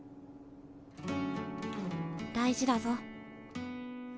大事だぞ。